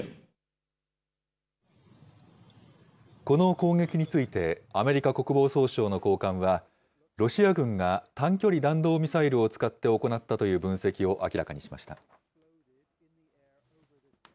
この攻撃について、アメリカ国防総省の高官は、ロシア軍が短距離弾道ミサイルを使って行ったという分析を明らかにしました。